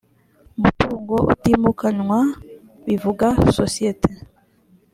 mutungo utimukanwa bivuga sosiyete